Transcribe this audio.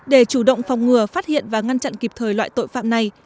để chủ động phòng ngừa phát hiện và ngăn chặn kịp thời loại tội phạm này